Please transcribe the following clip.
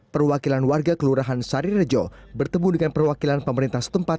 perwakilan warga kelurahan sari rejo bertemu dengan perwakilan pemerintah setempat